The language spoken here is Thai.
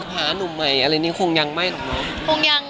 พานุ่มใหม่อะไรนี้คงยังไม่หรอกเนอะ